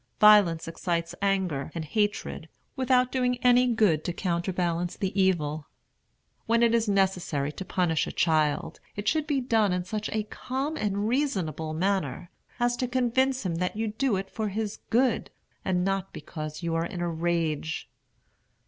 Violence excites anger and hatred, without doing any good to counterbalance the evil. When it is necessary to punish a child, it should be done in such a calm and reasonable manner as to convince him that you do it for his good, and not because you are in a rage.